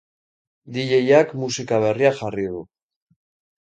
Dj-ak musika berria jarri du.